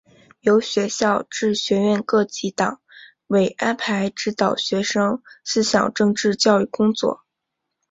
由学校至学院各级党委安排指导学生思想政治教育工作。